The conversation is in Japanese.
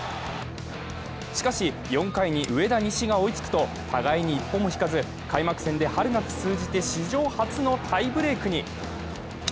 しかし、４回に上田西が追いつくと互いに一歩も引かず開幕戦で春夏通じて史上初のタイブレークに。